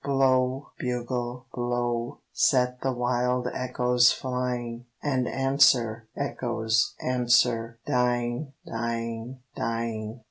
Blow, bugle, blow, set the wild echoes flying, And answer, echoes, answer, dying, dying, dying.